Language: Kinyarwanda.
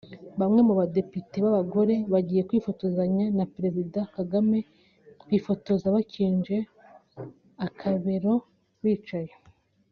Bamwe mu badepite b’abagore bagiye kwifotoranya na Perezida Kagame bifotoza bakinje akabero (bicaye)